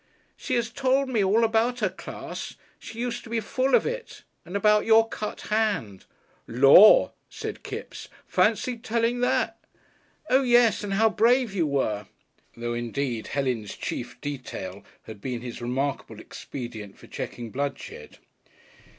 "She has told me all about her class. She used to be full of it. And about your cut hand." "Lor'!" said Kipps; "fancy, telling that!" "Oh, yes! And how brave you were." (Though, indeed, Helen's chief detail had been his remarkable expedient for checking bloodshed.)